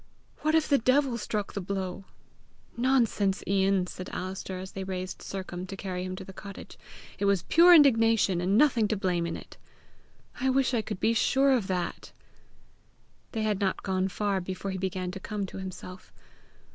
What if the devil struck the blow!" "Nonsense, Ian!" said Alister, as they raised Sercombe to carry him to the cottage. "It was pure indignation, and nothing to blame in it!" "I wish I could be sure of that!" They had not gone far before he began to come to himself.